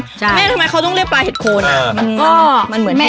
ทำไมเขาต้องเรียกปลาเห็ดโคนอ่ะ